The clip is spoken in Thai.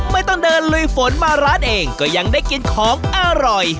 ไม่ต้องเดินลุยฝนมาร้านเองก็ยังได้กินของอร่อย